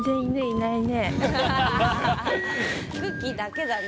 クッキーだけだね。